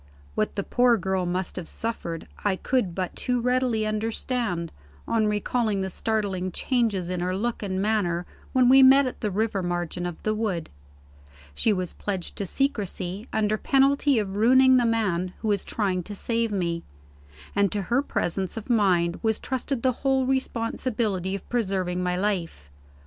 What the poor girl must have suffered, I could but too readily understand, on recalling the startling changes in her look and manner when we met at the river margin of the wood. She was pledged to secrecy, under penalty of ruining the man who was trying to save me; and to her presence of mind was trusted the whole responsibility of preserving my life.